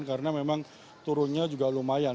karena memang turunnya juga lumayan